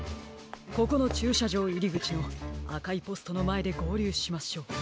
ここのちゅうしゃじょういりぐちのあかいポストのまえでごうりゅうしましょう。